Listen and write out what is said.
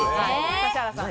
指原さん。